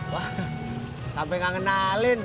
wah sampai gak ngenalin